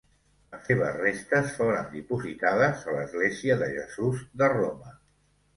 Les seves restes foren dipositades a l'església de Jesús de Roma.